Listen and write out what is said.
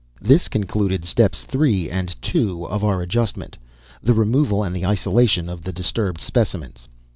This concluded Steps 3 and 2 of our Adjustment, the removal and the isolation of the disturbed specimens.